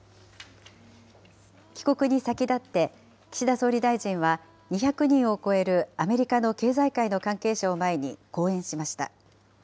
帰国に先立って、岸田総理大臣は、２００人を超えるアメリカの経済界の関係者を前に講演しました。